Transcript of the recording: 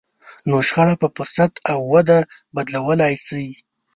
نو شخړه په فرصت او وده بدلولای شئ.